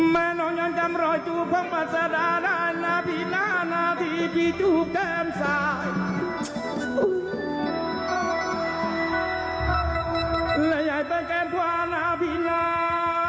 และยายเปิ้ลแก้มพวาหน้าพีนา